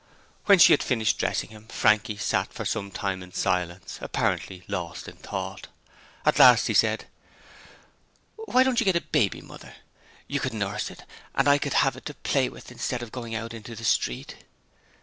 When she had finished dressing him, Frankie sat for some time in silence, apparently lost in thought. At last he said: 'Why don't you get a baby, Mother? You could nurse it, and I could have it to play with instead of going out in the street.'